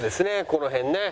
この辺ね。